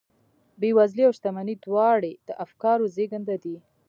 بېوزلي او شتمني دواړې د افکارو زېږنده دي.